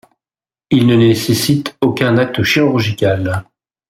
Il ne nécessite aucun acte chirurgical.